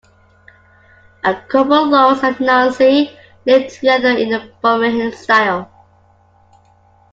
In Corfu, Lawrence and Nancy lived together in bohemian style.